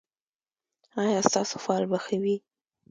ایا ستاسو فال به ښه وي؟